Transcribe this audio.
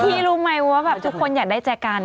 พี่รู้ไหมว่าทุกคนอยากได้แจกัน